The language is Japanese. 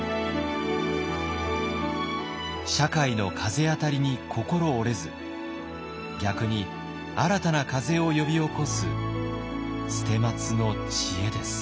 社会の風当たりに心折れず逆に新たな風を呼び起こす捨松の知恵です。